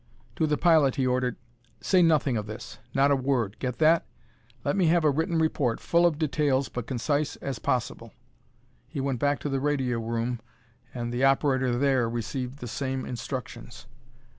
To the pilot he ordered: "Say nothing of this not a word get that? Let me have a written report: full details, but concise as possible." He went back to the radio room, and the operator there received the same instructions.